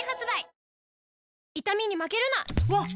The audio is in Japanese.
わっ！